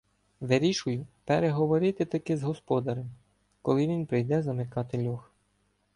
Вирішую переговорити-таки з господарем, коли він прийде замикати льох.